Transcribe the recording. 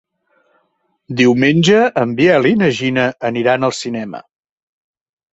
Diumenge en Biel i na Gina aniran al cinema.